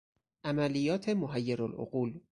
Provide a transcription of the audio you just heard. عملیات محیر العقول